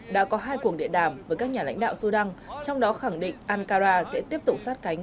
đã có hai cuộc điện đàm với các nhà lãnh đạo sudan trong đó khẳng định ankara sẽ tiếp tục sát cánh